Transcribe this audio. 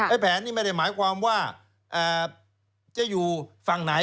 แผนนี่ไม่ได้หมายความว่าจะอยู่ฝั่งไหน